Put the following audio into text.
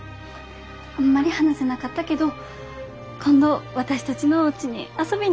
あんまり話せなかったけど今度私たちのおうちに遊びに来てね。